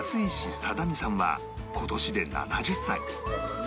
己さんは今年で７０歳